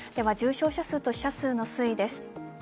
重症者数と死者数の推移です。